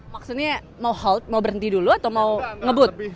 maksudnya mau hold mau berhenti dulu atau mau ngebut